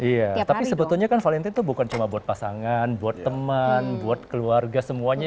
iya tapi sebetulnya kan valentine itu bukan cuma buat pasangan buat teman buat keluarga semuanya